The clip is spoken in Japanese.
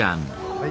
はい。